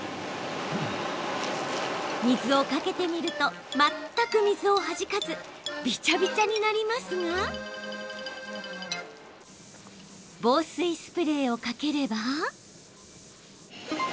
水をかけてみると全く水をはじかずびちゃびちゃになりますが防水スプレーをかければ。